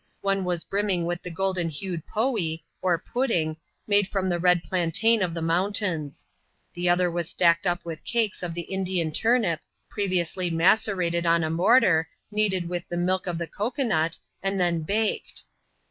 One was brimming with the golden hued " poee," or pudding, made from the red plantain of the mountains ; the other was stacked up with cakes of the Indian turnip, previously macerated in a mortar, kneaded with the milk of the cocoa nut, and t\ven \>^^^ \\i l\!